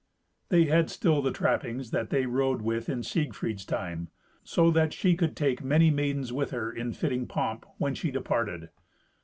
They had still the trappings that they rode with in Siegfried's time, so that she could take many maidens with her in fitting pomp when she departed.